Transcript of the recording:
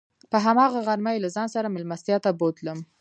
په هماغه غرمه یې له ځان سره میلمستیا ته بوتلم.